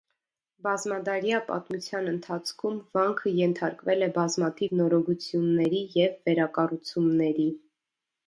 Բազմադարյա պատմության ընթացքում վանքը ենթարկվել է բազմաթիվ նորոգությունների և վերակառուցումների։